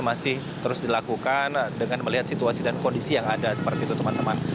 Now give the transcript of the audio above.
masih terus dilakukan dengan melihat situasi dan kondisi yang ada seperti itu teman teman